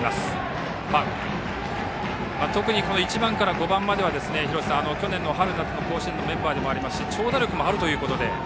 特に１番から５番までは廣瀬さん、去年の春夏の甲子園のメンバーでもありまして長打力があるということで。